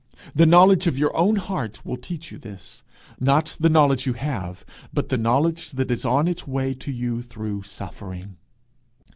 The knowledge of your own heart will teach you this not the knowledge you have, but the knowledge that is on its way to you through suffering.